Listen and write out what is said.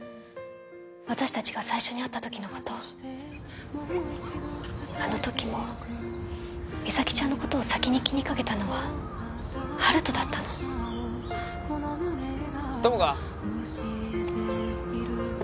私達が最初に会った時のことあの時も実咲ちゃんのことを先に気にかけたのは温人だったの友果